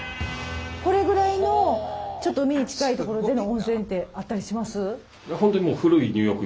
これぐらいのちょっと海に近い所での温泉ってあったりします？